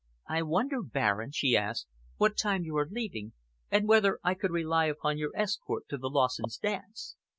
"I wonder, Baron," she asked, "what time you are leaving, and whether I could rely upon your escort to the Lawsons' dance?